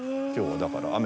今日はだから。